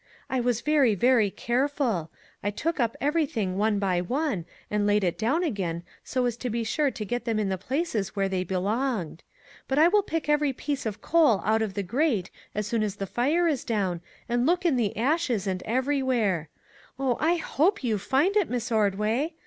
I was very, very careful; I took up everything one by one, and laid it down again so as to be sure to get them in the places where they belonged. But I will pick every piece of coal out of the grate, as soon as the fire is down, and look in the ashes, and everywhere, Oh, I hope you can find it, Miss Ordway!